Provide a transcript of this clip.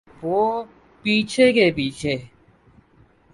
وہ پیچھے کے پیچھے۔